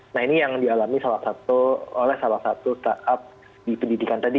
nah ini yang dialami oleh salah satu startup di pendidikan tadi